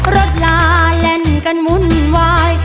ลาเล่นกันวุ่นวาย